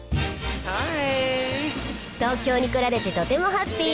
東京に来られてとてもハッピー。